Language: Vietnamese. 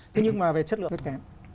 thế nhưng mà về chất lượng rất kém